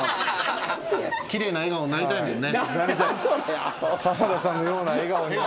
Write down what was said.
奇麗な笑顔になりたいもんね。